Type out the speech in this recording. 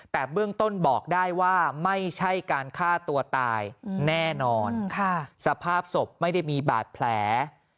แต่เบื้องต้นบอกได้ว่าไม่ใช่การฆ่าตัวตายแน่นอนสภาพศพไม่ได้มีบาดแผล